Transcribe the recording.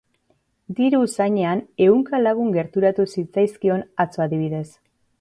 Diru usainean ehunka lagun gerturatu zitzaizkion atzo adibidez.